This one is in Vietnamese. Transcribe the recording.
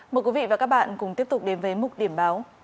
mời quý vị và các bạn cùng tiếp tục đến với mục điểm báo